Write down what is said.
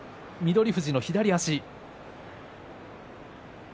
富士の左足。